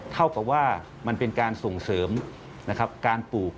เท่ากับว่ามันเป็นการส่งเสริมนะครับการปลูก